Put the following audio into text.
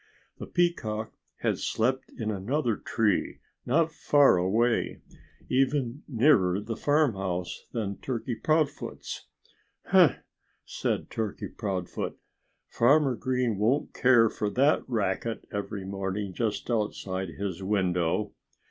The peacock had slept in another tree not far away, even nearer the farmhouse than Turkey Proudfoot's. "Huh!" said Turkey Proudfoot. "Farmer Green won't care for that racket every morning just outside his window.